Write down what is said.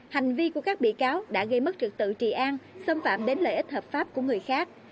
hành vi của các bị cáo đã gây mất trực tự trị an xâm phạm đến lợi ích hợp pháp của người khác